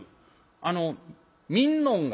あの見んのんが」。